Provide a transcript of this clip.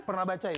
pernah baca itu